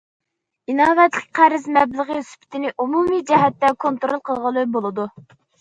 ئىناۋەتلىك قەرز مەبلىغى سۈپىتىنى ئومۇمىي جەھەتتىن كونترول قىلغىلى بولىدۇ.